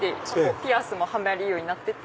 ピアスもはまるようになってて。